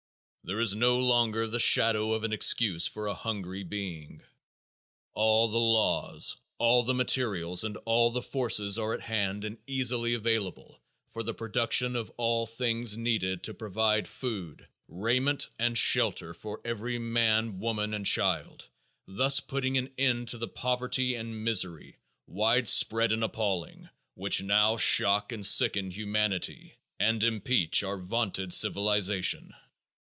There is no longer the shadow of an excuse for a hungry being. All the laws, all the materials and all the forces are at hand and easily available for the production of all things needed to provide food, raiment and shelter for every man, woman and child, thus putting an end to the poverty and misery, widespread and appalling, which now shock and sicken humanity and impeach our vaunted civilization.